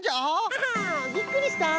ハハびっくりした？